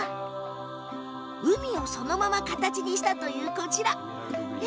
海をそのまま形にしたというこちら。